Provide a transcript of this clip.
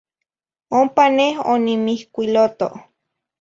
Ompa neh onimihcuiloto.